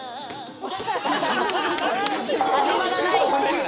始まらない。